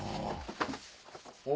お！